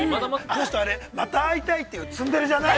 ◆あの人、また会いたいというツンデレじゃない？